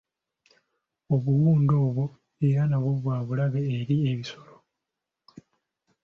Obuwundu obwo era nabwo bwa bulabe eri ebisolo.